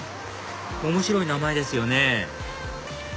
面白い名前ですよね